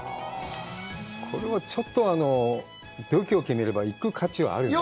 これはちょっと度胸決めれば、行く価値があるよね。